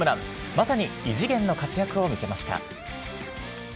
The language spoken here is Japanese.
まさに異次元の活躍を見せました。